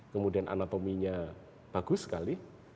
kemudian anatominya bagus sekali